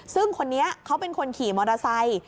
ซึ่งคนนี้เขาเป็นคนขี่มอเตอร์ไซค์